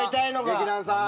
劇団さん。